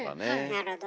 なるほどね。